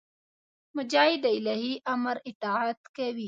مجاهد د الهي امر اطاعت کوي.